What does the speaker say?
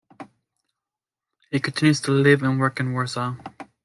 He continues to live and work in Warsaw.